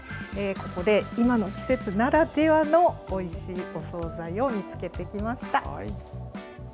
ここで今の季節ならではのおいしいお総菜を見つけてきました。